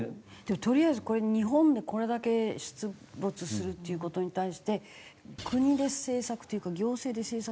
とりあえず日本でこれだけ出没するっていう事に対して国で政策というか行政で政策。